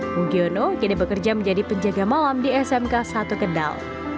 mugiono kini bekerja menjadi penjaga malam di smk satu kendal